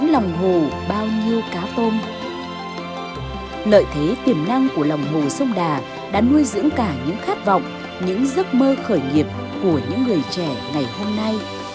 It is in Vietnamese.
lợi thế tiềm năng của lòng hồ sông đà đã nuôi dưỡng cả những khát vọng những giấc mơ khởi nghiệp của những người trẻ ngày hôm nay